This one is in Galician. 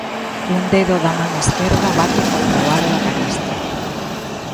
Un dedo da man esquerda bate contra o aro da canastra.